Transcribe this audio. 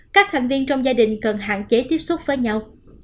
các thành viên trong gia đình cần hạn chế tiếp xúc với nhau